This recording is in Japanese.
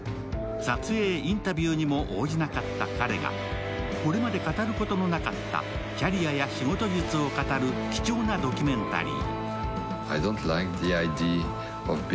撮影、インタビューにも応じなかった彼が、これまで語ることのなかったキャリアや仕事術を語る貴重なドキュメンタリー。